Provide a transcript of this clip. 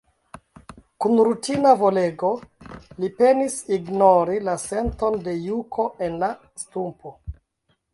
Kun rutina volego, li penis ignori la senton de juko en la stumpo.